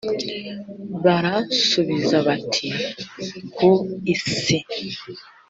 baransubiza bati ku isi